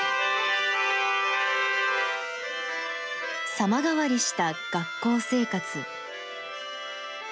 様変わりした学校生活。